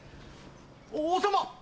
王様！